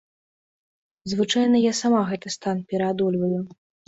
Звычайна я сама гэты стан пераадольваю.